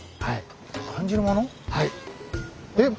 はい。